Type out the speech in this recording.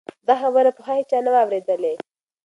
دا خبره پخوا هیچا نه وه اورېدلې.